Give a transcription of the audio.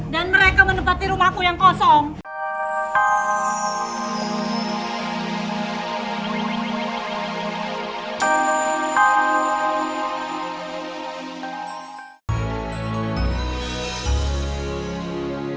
dan mereka menepati rumahku yang kosong